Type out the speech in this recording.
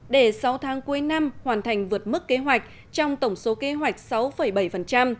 để sáu tháng cuối năm hoàn thành vượt mức kế hoạch trong tổng số kế hoạch sáu bảy